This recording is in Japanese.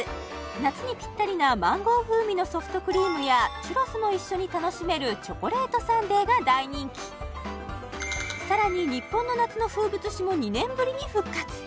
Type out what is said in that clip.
夏にピッタリなマンゴー風味のソフトクリームやチュロスも一緒に楽しめるチョコレートサンデーが大人気さらに日本の夏の風物詩も２年ぶりに復活